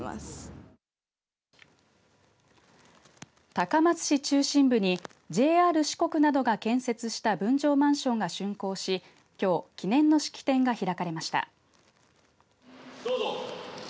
高松市中心部にＪＲ四国などが建設した分譲マンションがしゅんこうしきょう記念の式典が開かれました。